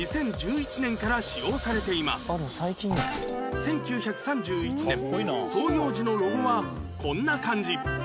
１９３１年創業時のロゴはこんな感じ